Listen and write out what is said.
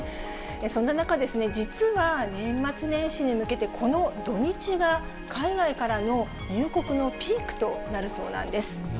そんな中、実は年末年始に向けてこの土日が、海外からの入国のピークとなるそうなんです。